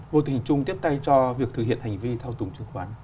vô tình chung tiếp tay cho việc thực hiện hành vi thao túng chứng khoán